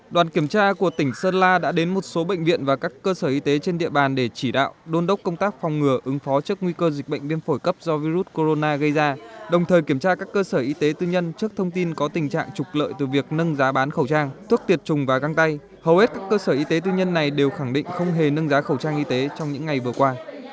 đoàn kiểm tra của tỉnh sơn la đã đến một số bệnh viện và các cơ sở y tế trên địa bàn để chỉ đạo đôn đốc công tác phòng ngừa ứng phó trước nguy cơ dịch bệnh viêm phổi cấp do virus corona gây ra đồng thời kiểm tra các cơ sở y tế tư nhân trước thông tin có tình trạng trục lợi từ việc nâng giá bán khẩu trang thuốc tiệt trùng và găng tay hầu hết các cơ sở y tế tư nhân này đều khẳng định không hề nâng giá khẩu trang y tế trong những ngày vừa qua